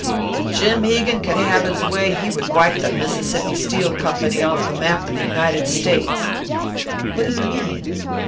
If Jim Hegan could have his way, he would wipe the Mississippi Steel Company off the map of the United States." "What do you mean?"